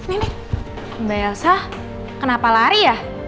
ini mbak elsa kenapa lari ya